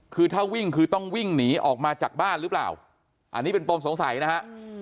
คือถ้าวิ่งคือต้องวิ่งหนีออกมาจากบ้านหรือเปล่าอันนี้เป็นปมสงสัยนะฮะ